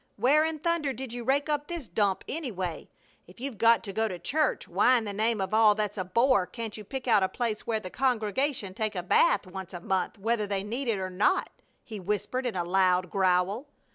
Where in thunder did you rake up this dump, anyway? If you've got to go to church, why in the name of all that's a bore can't you pick out a place where the congregation take a bath once a month whether they need it or not?" he whispered, in a loud growl.